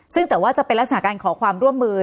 ซึ่งแต่ว่าจะเป็นลักษณะการขอความร่วมมือ